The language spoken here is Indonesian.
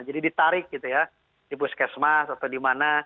jadi ditarik gitu ya di puskesmas atau di mana